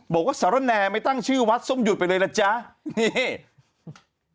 บอกว่าสารแนไม่ตั้งชื่อวัดส้มหยุดไปเลยล่ะจ๊ะนี่